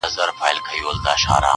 • پرون مازیګر ناوخته -